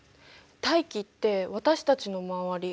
大気って私たちの周り